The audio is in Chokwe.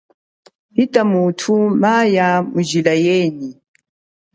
Ita muthu maya mujila yenyi.